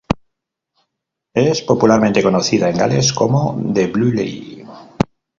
Es popularmente conocida en Gales como "The Blue Lady".